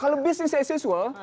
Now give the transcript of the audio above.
kalau business as usual